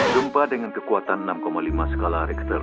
gempa dengan kekuatan enam lima skala richter